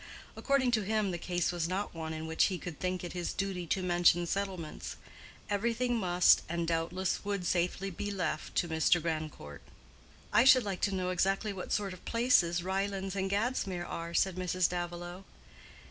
According to him, the case was not one in which he could think it his duty to mention settlements: everything must, and doubtless would safely be left to Mr. Grandcourt. "I should like to know exactly what sort of places Ryelands and Gadsmere are," said Mrs. Davilow.